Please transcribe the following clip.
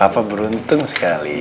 papa beruntung sekali